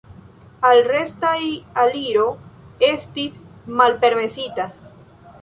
Al restaj aliro estis malpermesita.